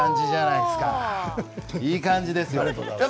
いい感じです。